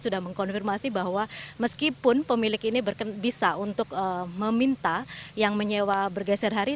sudah mengkonfirmasi bahwa meskipun pemilik ini bisa untuk meminta yang menyewa bergeser hari